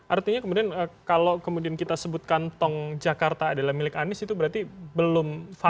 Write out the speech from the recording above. artinya kemudian kalau kemudian kita sebutkan tong jakarta adalah milik anies itu berarti belum fair